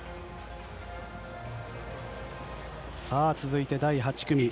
さあ、続いて第８組。